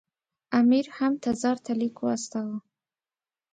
امیر هم تزار ته لیک واستاوه.